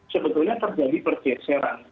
sebetulnya terjadi pergeseran